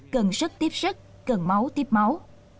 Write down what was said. cần sức tiếp sức cần máu tiếp máu